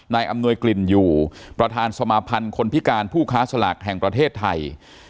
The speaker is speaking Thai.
อำนวยกลิ่นอยู่ประธานสมาพันธ์คนพิการผู้ค้าสลากแห่งประเทศไทย